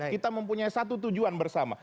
kita mempunyai satu tujuan bersama